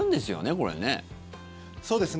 これね。